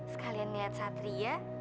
sekalian lihat satria